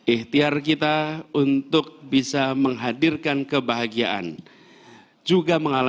ihtiar kita untuk bisa menghadirkan kebahagiaan kita untuk menjaga kebahagiaan kita